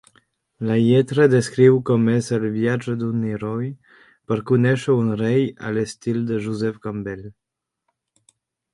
La lletra descriu com és el "viatge d'un heroi" per conèixer un rei a l'estil de Joseph Campbell.